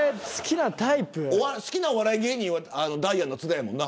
好きなお笑い芸人はダイアンの津田やもんな。